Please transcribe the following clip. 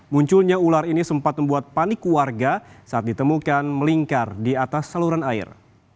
munculnya ular ini sempat membuat panik warga saat ditemukan melingkar di atas saluran air